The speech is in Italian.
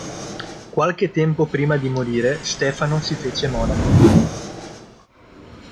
Qualche tempo prima di morire, Stefano si fece monaco.